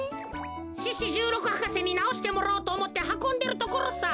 獅子じゅうろく博士になおしてもらおうとおもってはこんでるところさ。